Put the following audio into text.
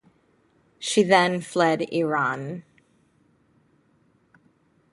She then fled Iran.